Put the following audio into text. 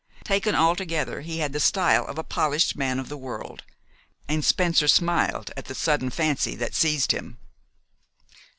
Taken altogether, he had the style of a polished man of the world, and Spencer smiled at the sudden fancy that seized him.